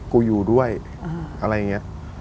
อยู่ด้วยอะไรอย่างนี้